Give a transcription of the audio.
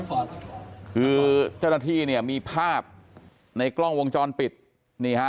คือเจ้าหน้าที่เนี่ยมีภาพในกล้องวงจรปิดนี่ฮะ